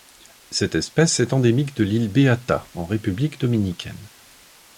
Cette espèce est endémique de l'île Beata en République dominicaine.